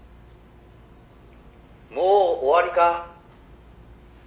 「もう終わりか？」